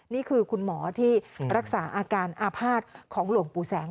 นี่คือคุณหมอที่รักษาอาการอาภาษณ์ของหลวงปู่แสง